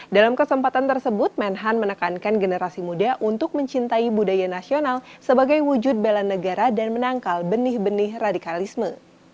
dalam kesempatan tersebut menhan menekankan generasi muda untuk mencintai budaya nasional sebagai wujud bela negara dan menangkal benih benih radikalisme